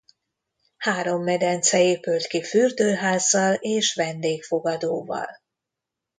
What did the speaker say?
Három medence épült ki fürdőházzal és vendégfogadóval.